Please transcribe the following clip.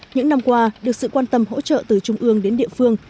những năm qua được sự quan tâm hỗ trợ từ trung ương đến địa phương